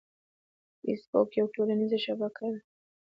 فېسبوک یوه ټولنیزه شبکه ده